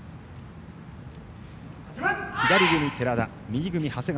左組み寺田、右組みが長谷川